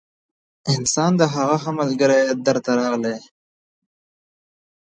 انسان د هغه ښه ملګري در ته راغلی